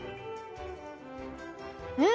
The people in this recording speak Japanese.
うん！